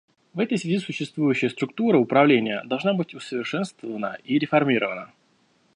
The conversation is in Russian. В этой связи существующая структура управления должна быть усовершенствована и реформирована.